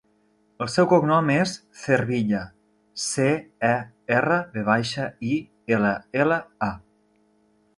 El seu cognom és Cervilla: ce, e, erra, ve baixa, i, ela, ela, a.